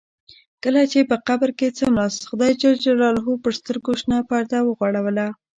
کله چې په قبر کې څملاست خدای جل جلاله پر سترګو شنه پرده وغوړوله.